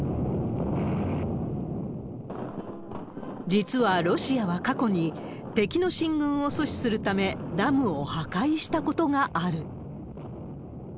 実は、ロシアは過去に敵の進軍を阻止するため、ダムを破壊したことがある。